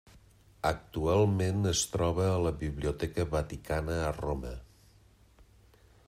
Actualment es troba a la Biblioteca Vaticana a Roma.